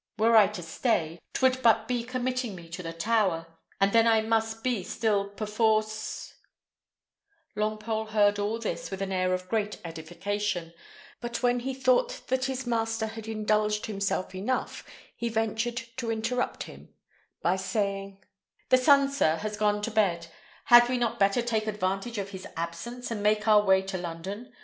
Were I to stay, 'twould but be committing me to the Tower, and then I must be still perforce " Longpole heard all this with an air of great edification; but when he thought that his master had indulged himself enough, he ventured to interrupt him by saying, "The sun, sir, has gone to bed; had not we better take advantage of his absence, and make our way to London?